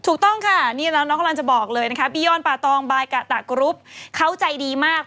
ถูกต้องค่ะนี่น้องกำลังจะบอกเลยนะคะบียอนป่าตองบายกะตะกรุ๊ปเขาใจดีมาก